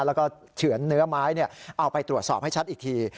แล้วก็เฉือนเนื้อไม้เอาไปตรวจสอบให้ชัดอีกที